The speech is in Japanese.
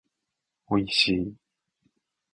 おいしい